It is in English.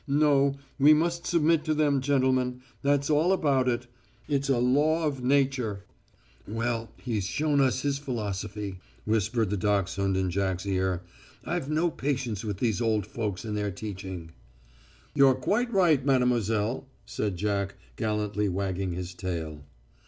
No, we must submit to them, gentlemen, that's all about it. It's a law of Nature." "Well, he's shown us his philosophy," whispered the dachshund in Jack's ear. "I've no patience with these old folks and their teaching." "You're quite right, mademoiselle," said Jack, gallantly wagging his tail.